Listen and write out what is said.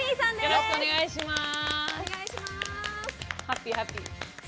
よろしくお願いします。